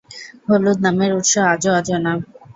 হলুদ নামের উৎস আজও অজানা।